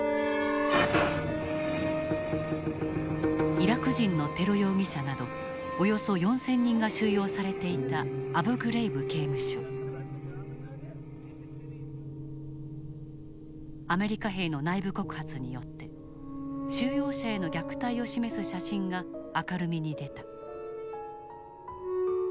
イラク人のテロ容疑者などおよそ４，０００人が収容されていたアメリカ兵の内部告発によって収容者への虐待を示す写真が明るみに出た。